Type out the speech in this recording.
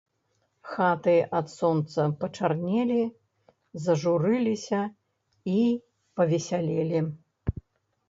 Хаты ад сонца пачарнелі, зажурыліся і павесялелі.